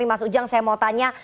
mas ujang saya mau tanya